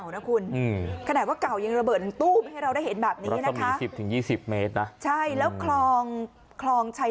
อันนี้เห็นคนเจอบอกว่าเขาโหดเล่นมันอันตรายหรือครับ